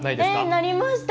えなりました。